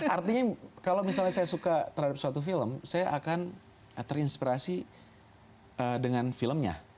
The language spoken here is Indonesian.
artinya kalau misalnya saya suka terhadap suatu film saya akan terinspirasi dengan filmnya